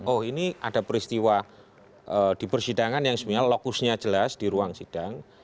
oh ini ada peristiwa di persidangan yang sebenarnya lokusnya jelas di ruang sidang